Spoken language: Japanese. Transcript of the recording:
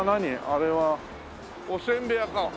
あれはおせんべい屋か。